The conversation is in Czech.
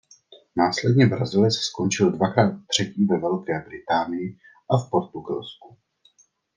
Následně Brazilec skončil dvakrát třetí ve Velké Británii a v Portugalsku.